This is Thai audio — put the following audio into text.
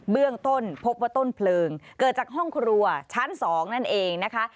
เบื้องต้นพบว่าต้นเพลิงเกิดจากห้องครัวชั้น๒นั่นเองนะคะ